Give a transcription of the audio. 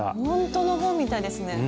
ほんとの本みたいですね。